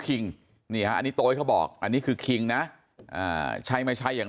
คิงนี่ฮะอันนี้โต๊ยเขาบอกอันนี้คือคิงนะใช่ไม่ใช่อย่าง